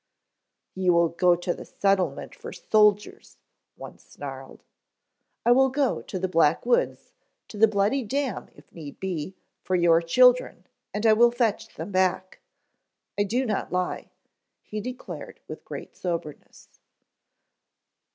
"You will go to the settlement for soldiers," one snarled. "I will go to the Black Woods, to the Bloody Dam if need be, for your children, and I will fetch them back. I do not lie," he declared with great soberness.